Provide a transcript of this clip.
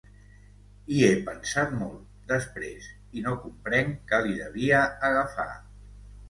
Hi he pensat molt, després, i no comprenc què li devia agafar.